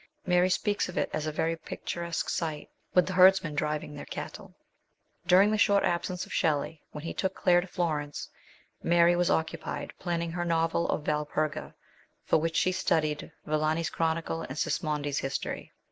Mary speaks of it as a very picturesque sight, with the herdsmen driving their cattle. During the short absence of Shelley, when he took Claire to Florence, Mary was occupied planning her novel of Valperga, for which she studied Villani's chronicle and Sismondr's history.